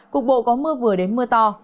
cuộc bộ có mưa vừa đến mưa to